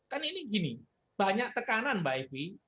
kan ini gini banyak tekanan mbak evi